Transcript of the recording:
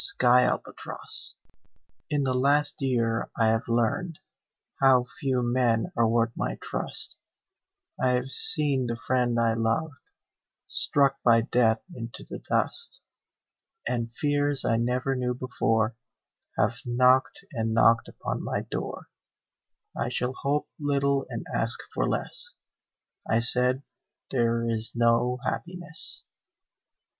Red Maples In the last year I have learned How few men are worth my trust; I have seen the friend I loved Struck by death into the dust, And fears I never knew before Have knocked and knocked upon my door "I shall hope little and ask for less," I said, "There is no happiness."